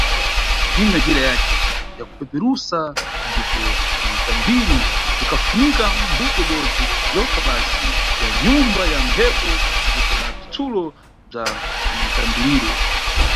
Ninga njira yace ya kupeperusa ndipo na utambiri bzikhafunika mbuto ibodzi yokha basi ya nyumba ya mphepo ndipo na bzitsulo bza mtambiriro.